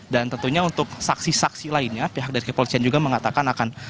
dan tentunya untuk saksi saksi lainnya pihak dari kepolisian juga mengatakan akan